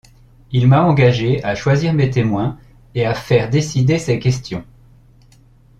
Il m’a engagé à choisir mes témoins et à faire décider ces questions.